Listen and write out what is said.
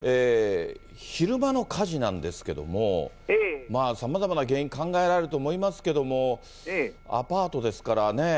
けそれも、坂口さん、昼間の火事なんですけども、さまざまな原因考えられると思いますけれども、アパートですからね。